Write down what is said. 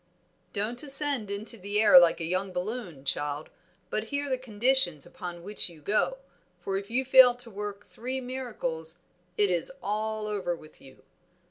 "Don't ascend into the air like a young balloon, child, but hear the conditions upon which you go, for if you fail to work three miracles it is all over with you.